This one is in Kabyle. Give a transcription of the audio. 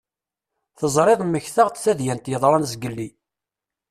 Teẓriḍ mmektaɣ-d tadyant yeḍran zgelli.